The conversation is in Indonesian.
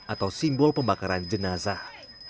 atau simbol pembakaran jenazah